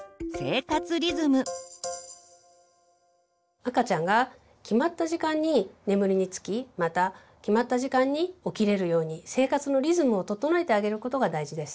赤ちゃんが決まった時間に眠りにつきまた決まった時間に起きれるように生活のリズムを整えてあげることが大事です。